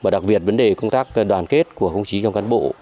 đặc biệt vấn đề công tác đoàn kết của công chí trong cán bộ